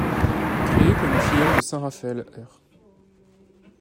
Créé comme une filiale de Saint-Raphaël-R.